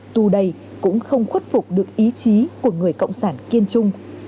tu đây cũng không khuất phục được ý chí của người cộng sản kiên trung